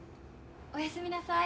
おやすみなさい。